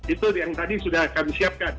itu yang tadi sudah akan disiapkan